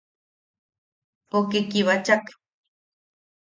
Poke kibachak.